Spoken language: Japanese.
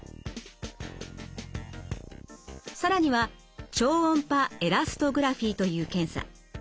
更には超音波エラストグラフィという検査。